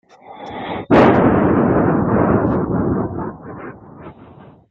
Les familles étrangères n’eurent pas droit aux dommages de guerre.